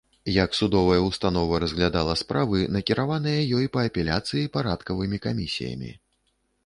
Як судовая ўстанова разглядала справы, накіраваныя ёй па апеляцыі парадкавымі камісіямі.